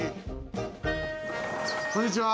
こんにちは。